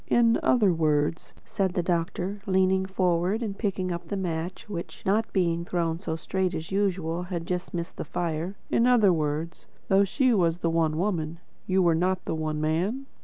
"In other words," said the doctor, leaning forward and picking up the match which, not being thrown so straight as usual, had just missed the fire; "in other words, though She was the One Woman, you were not the One Man?"